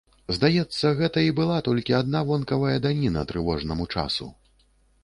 Здаецца, гэта і была толькі адна вонкавая даніна трывожнаму часу.